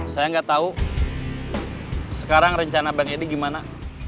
saya gak tau sekarang rencana bang edy gimana